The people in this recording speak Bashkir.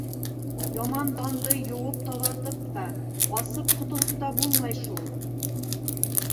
Яман данды йыуып таҙартып та, ҡасып ҡотолоп та булмай шул...